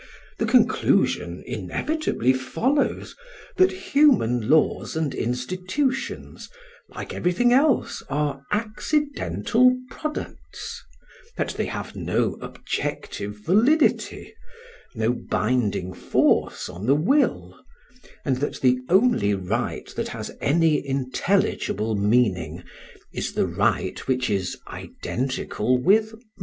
The conclusion inevitably follows that human laws and institutions, like everything else, are accidental products; that they have no objective validity, no binding force on the will; and that the only right that has any intelligible meaning is the right which is identical with might.